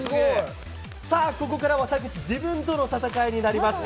さあ、ここからは田口、自分との戦いになります。